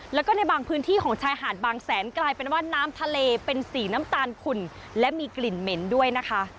แล้วก็ในบางพื้นที่ของชายหาดบางแสนกลายเป็นว่าน้ำทะเลเป็นสีน้ำตาลขุ่นและมีกลิ่นเหม็นด้วยนะคะ